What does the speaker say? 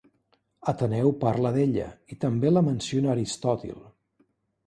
Ateneu parla d'ella, i també la menciona Aristòtil.